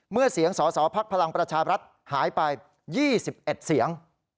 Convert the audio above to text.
เมื่อเสียงสอสอภักดิ์พลังประชาบรัฐหายไป๒๑เสียง